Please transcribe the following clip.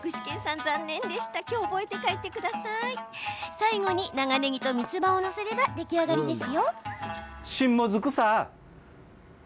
最後に、長ねぎとみつばを載せれば出来上がりです。